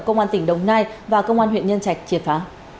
công an tỉnh đồng nai và công an huyện nhân trạch triệt phá